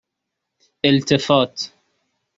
اِلتفات